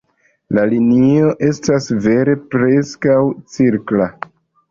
La linio estas vere preskaŭ cirkla.